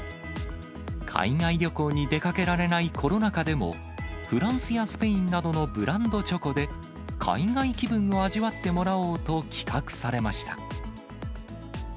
海外旅行に出かけられないコロナ禍でも、フランスやスペインなどのブランドチョコで、海外気分を味わってもらおうと企画されました。